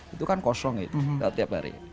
itu kan kosong itu tiap hari